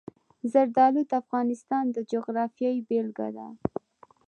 زردالو د افغانستان د جغرافیې بېلګه ده.